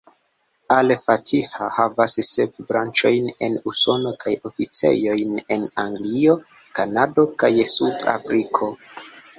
Al-Fatiha havas sep branĉojn en Usono, kaj oficejojn en Anglio, Kanado, kaj Sud-Afriko.